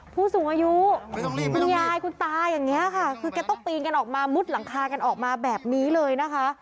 ผู้สูงอายุคุณยายคุณตาอย่างนี้ค่ะคือแกต้องปีนกันออกมามุดหลังคากันออกมาแบบนี้เลยนะคะ